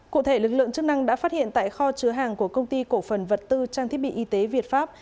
cụ thể lực lượng chức năng đã phát hiện tại kho chứa hàng của công ty cổ phần vật tư trang thiết bị y tế việt pháp